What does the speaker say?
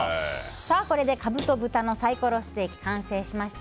これでカブと豚のサイコロステーキ完成しました。